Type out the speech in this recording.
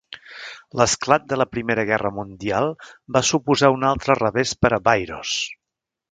L'esclat de la Primera Guerra Mundial va suposar un altre revés per a Bayros.